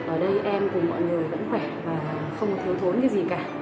ở đây em cùng mọi người vẫn khỏe và không có thiếu thốn cái gì cả